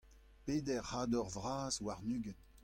peder c'hador vras warn-ugent.